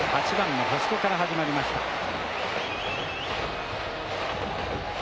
８番の星子から始まりました。